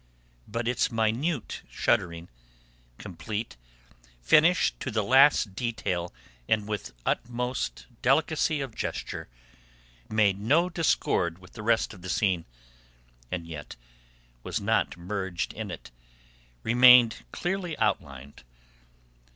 But its minute shuddering, complete, finished to the least detail and with utmost delicacy of gesture, made no discord with the rest of the scene, and yet was not merged in it, remaining clearly outlined.